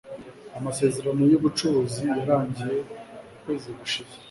Amasezerano yubucuruzi yarangiye ukwezi gushize